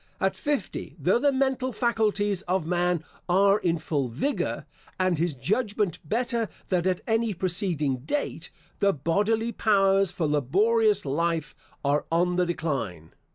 At fifty, though the mental faculties of man are in full vigour, and his judgment better than at any preceding date, the bodily powers for laborious life are on the decline.